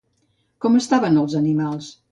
Com estaven els animals?